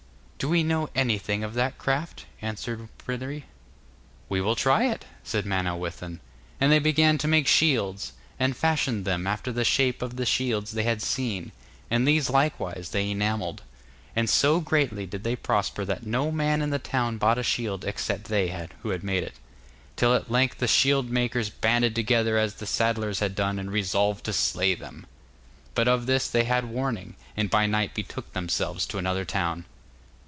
'But do we know anything of that craft?' answered Pryderi. 'We will try it,' said Manawyddan, and they began to make shields, and fashioned them after the shape of the shields they had seen; and these likewise they enamelled. And so greatly did they prosper that no man in the town bought a shield except they had made it, till at length the shield makers banded together as the saddlers had done, and resolved to slay them. But of this they had warning, and by night betook themselves to another town.